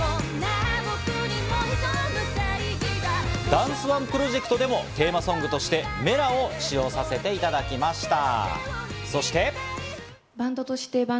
ダンスＯＮＥプロジェクトでもテーマソングとして『Ｍｅｌａ！』を使用させていただきました。